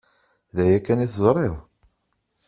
D aya kan i teẓriḍ?